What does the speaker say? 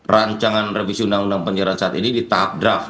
rancangan revisi undang undang penyiaran saat ini di tahap draft